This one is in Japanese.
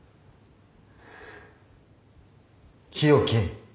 日置。